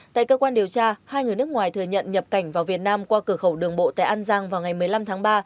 tại cơ quan điều tra hai người nước ngoài thừa nhận nhập cảnh vào việt nam qua cửa khẩu đường bộ tại an giang vào ngày một mươi năm tháng ba